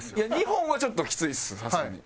２本はちょっときついっすさすがに。